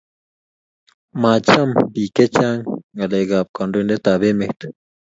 Macham pik chang ngalek ab kandoiten ab amet